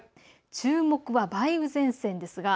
注目は梅雨前線です。